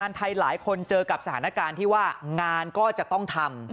ไทยหลายคนเจอกับสถานการณ์ที่ว่างานก็จะต้องทำ